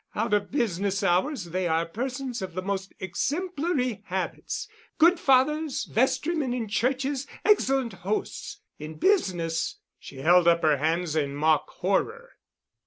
Out of business hours they are persons of the most exemplary habits, good fathers, vestrymen in churches, excellent hosts. In business——" she held up her hands in mock horror.